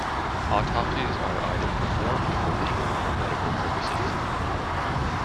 Autopsies are either performed for legal or medical purposes.